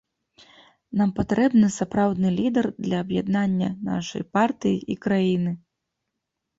Нам патрэбны сапраўдны лідар для аб'яднання нашай партыі і краіны.